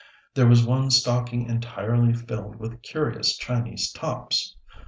There was one stocking entirely filled with curious Chinese tops.